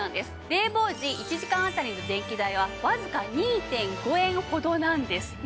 冷房時１時間あたりの電気代はわずか２．５円ほどなんです。